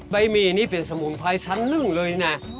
หมี่นี่เป็นสมุนไพรชั้นนึ่งเลยนะ